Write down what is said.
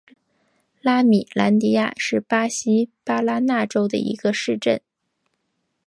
拉米兰迪亚是巴西巴拉那州的一个市镇。